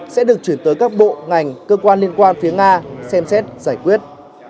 sẽ được chuyển tới các bộ ngành cơ quan liên quan phía nga xem xét giải quyết